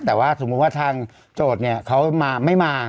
แต่ว่าสมมุติว่าทางโจทย์เนี่ยเขาไม่มา